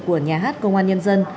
của nhà hát công an nhân dân